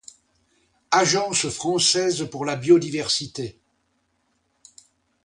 Agence française pour la biodiversité.